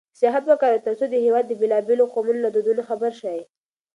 سیاحت وکاروئ ترڅو د هېواد د بېلابېلو قومونو له دودونو خبر شئ.